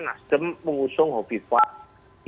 nasdem mengusung hopi fahd di